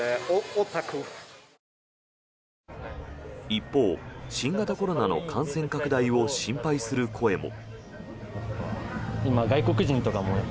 一方、新型コロナの感染拡大を心配する声も。